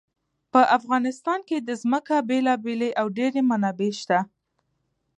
په افغانستان کې د ځمکه بېلابېلې او ډېرې منابع شته.